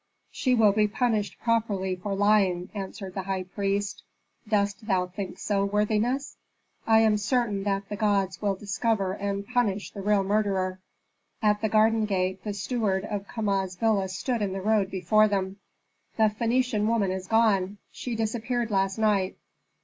"She will be punished properly for lying," answered the high priest. "Dost thou think so, worthiness?" "I am certain that the gods will discover and punish the real murderer." At the garden gate the steward of Kama's villa stood in the road before them. "The Phœnician woman is gone. She disappeared last night."